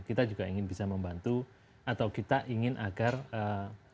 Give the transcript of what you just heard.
kita juga ingin bisa membantu atau kita ingin agar ee